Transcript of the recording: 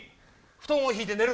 布団をひいて寝る。